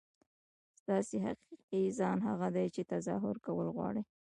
ستاسو حقیقي ځان هغه دی چې تظاهر کول غواړي.